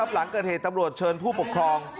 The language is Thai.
เมื่อวานนี้ครับหลังเกิดเหตุตำรวจเชิญผู้ปกครอง